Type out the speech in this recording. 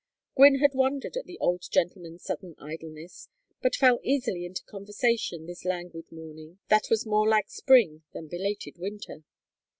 Gwynne had wondered at the old gentleman's sudden idleness, but fell easily into conversation this languid morning that was more like spring than belated winter.